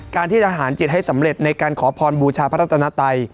การที่ทหารจิตให้สำเร็จในการขอพรบูชาพระรัตนไตย